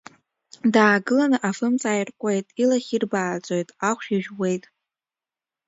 Даагыланы афымца аиркуеит, илахь ирбааӡоит, ахәшә ижәуеит…